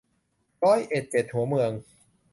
ร้อยเอ็ดเจ็ดหัวเมือง